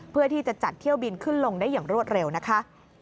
เพื่อที่จะจัดเที่ยวบินขึ้นลงได้อย่างรวดเร็วนะคะ